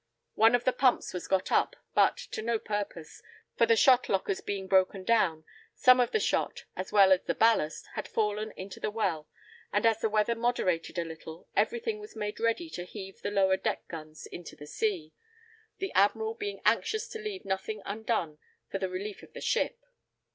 One of the pumps was got up, but to no purpose, for the shot lockers being broken down, some of the shot, as well as the ballast, had fallen into the well; and as the weather moderated a little, every thing was made ready to heave the lower deck guns into the sea, the admiral being anxious to leave nothing undone for the relief of the ship.